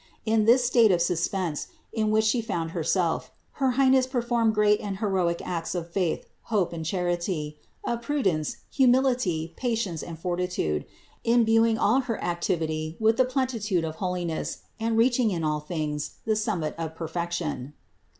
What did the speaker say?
In this state of suspense, in which She found Herself, her Highness performed great and heroic acts of faith, hope and charity, of prudence, humility, patience and fortitude, imbuing all her activity with the plenitude of holiness and reaching in all things the summit of perfection.